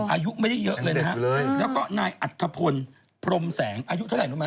อายุไม่ได้เยอะเลยนะฮะแล้วก็นายอัธพลพรมแสงอายุเท่าไหรรู้ไหม